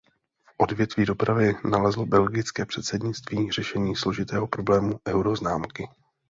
V odvětví dopravy nalezlo belgické předsednictví řešení složitého problému euroznámky.